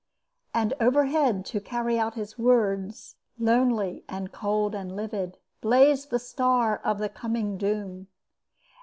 And overhead, to carry out his words, lonely and cold and livid, blazed the star of the coming doom.